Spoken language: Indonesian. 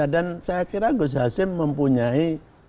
dan saya kira gus hazim mempunyai